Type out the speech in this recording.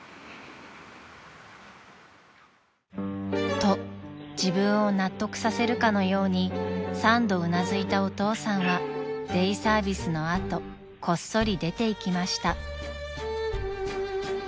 ［と自分を納得させるかのように３度うなずいたお父さんはデイサービスの後こっそり出ていきました］